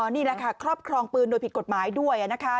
นี่แหละค่ะครอบครองปืนโดยผิดกฎหมายด้วยนะคะ